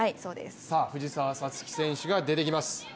さあ、藤澤五月選手が出てきます。